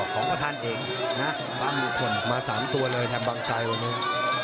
อ๋อของทันเอกนะมา๓ตัวเลยใต้บางชายวันนี้